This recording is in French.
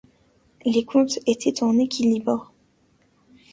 Les comptes étaient en équilibre.